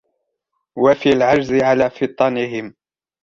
وَفِي الْعَجْزِ عَلَى فِطَنِهِمْ